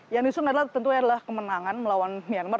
yang diusung tentu adalah kemenangan melawan myanmar